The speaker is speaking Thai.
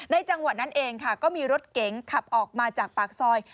จังหวะนั้นเองค่ะก็มีรถเก๋งขับออกมาจากปากซอย